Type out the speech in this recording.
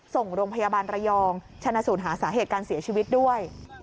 ส่งโรงพยาบาลระยองชนะสูตรหาสาเหตุการเสียชีวิตด้วย